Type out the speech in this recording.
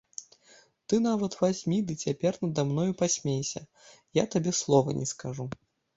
Ты нават вазьмі ды цяпер нада мною пасмейся, я табе слова не скажу.